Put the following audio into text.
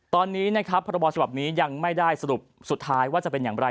ตอนนี้นะครับพรบฉบับนี้ยังไม่ได้สรุปสุดท้ายว่าจะเป็นอย่างไร